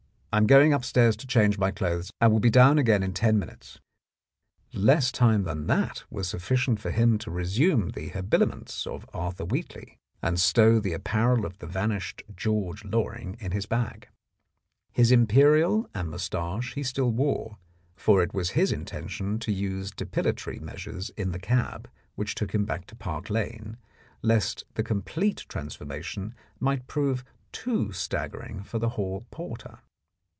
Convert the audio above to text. I am going upstairs to change my clothes, and will be down again in ten minutes." 5* The Blackmailer of Park Lane Less time than that was sufficient for him to resume the habiliments of Arthur Whately, and stow the apparel of the vanished George Loring in his bag. His imperial and moustache he still wore, for it was his intention to use depilatory measures in the cab which took him back to Park Lane lest the complete transformation might prove too staggering for the hall porter.